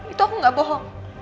itu aku gak bohong